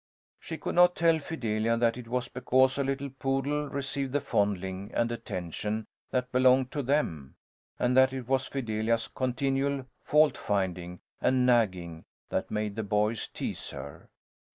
She could not tell Fidelia that it was because a little poodle received the fondling and attention that belonged to them, and that it was Fidelia's continual faultfinding and nagging that made the boys tease her.